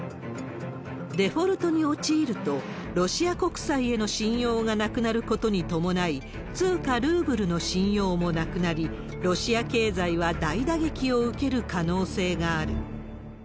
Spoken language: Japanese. デフォルトに陥ると、ロシア国債への信用がなくなることに伴い、通貨ルーブルの信用もなくなり、ロシア経済は大打撃を受ける可能性がある。